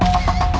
aku kasih tau